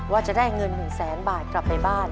ว่าจะได้เงิน๑แสนบาทกลับไปบ้าน